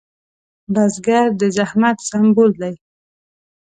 بزګر د زحمت سمبول دی